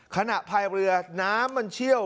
พายเรือน้ำมันเชี่ยว